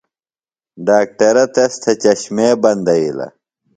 ڈاکٹرہ تس تھےۡ چشمے بندئِلہ۔